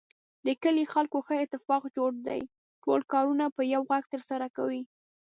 د کلي خلکو ښه اتفاق جوړ دی. ټول کارونه په یوه غږ ترسره کوي.